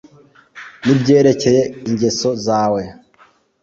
nibyerekeye ingeso zawe